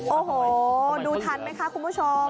โอ้โหดูทันไหมคะคุณผู้ชม